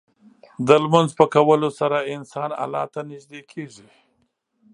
د لمونځ په کولو سره انسان الله ته نږدې کېږي.